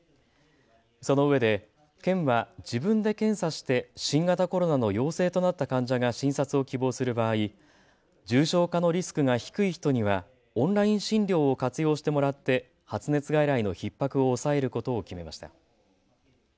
そのうえで県は自分で検査して新型コロナの陽性となった患者が診察を希望する場合、重症化のリスクが低い人にはオンライン診療を活用してもらって発熱外来のひっ迫を抑えることを決めました。